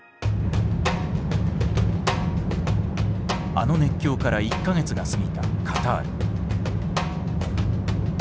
あの熱狂から１か月が過ぎたカタール。